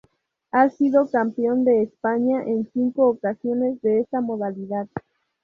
Ha sido campeón de España en cinco ocasiones de esta modalidad.